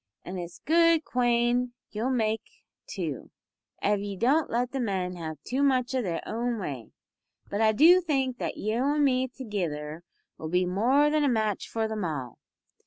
An' it's a good quane you'll make, too, av ye don't let the men have too much o' their own way. But I do think that you an' me togither'll be more than a match for them all.